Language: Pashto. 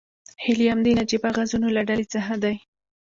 هیلیم د نجیبه غازونو له ډلې څخه دی.